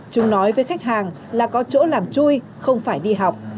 chúng nói với khách hàng là có chỗ làm chui không phải đi học